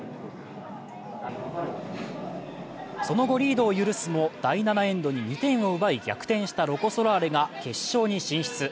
その後リードを許すも第７エンドに２点を奪い逆転したロコ・ソラーレが決勝に進出。